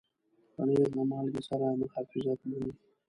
پنېر د مالګې سره محافظت مومي.